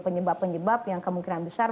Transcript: penyebab penyebab yang kemungkinan besar